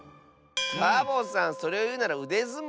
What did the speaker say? サボさんそれをいうならうでずもうでしょ。